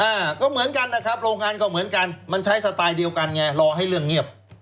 อ่าก็เหมือนกันนะครับโรงงานก็เหมือนกันมันใช้สไตล์เดียวกันไงรอให้เรื่องเงียบ